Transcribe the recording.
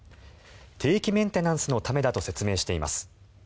定期メンテナンスのためだと説明しています。